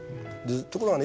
ところがね